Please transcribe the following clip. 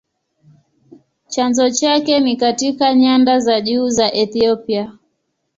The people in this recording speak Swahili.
Chanzo chake ni katika nyanda za juu za Ethiopia.